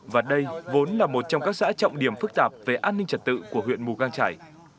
và đây vốn là một trong các xã trọng điểm phức tạp về an ninh trật tự của huyện mù cang trải